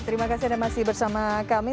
terima kasih anda masih bersama kami